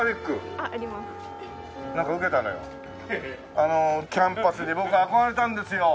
あのキャンパスに僕憧れたんですよ。